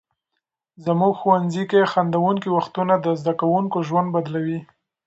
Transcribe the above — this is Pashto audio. زموږ ښوونځي کې خندونکي وختونه د زده کوونکو ژوند بدلوي.